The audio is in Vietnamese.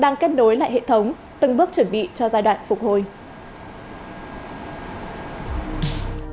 đang kết nối lại hệ thống từng bước chuẩn bị cho giai đoạn phục hồi